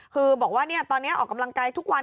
คือบอกว่าตอนนี้ออกกำลังกายทุกวัน